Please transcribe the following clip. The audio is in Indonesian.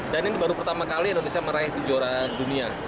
dan ini baru pertama kali indonesia meraih juara dunia